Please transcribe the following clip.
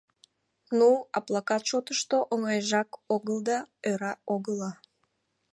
Ну, а плакат шотышто оҥайжак огыл да... ӧра огыла.